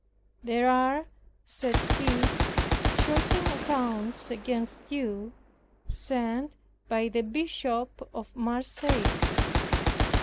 "There are," said he, "shocking accounts against you, sent by the Bishop of Marseilles.